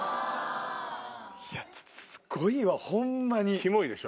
いやちょっとすごいわホンマに。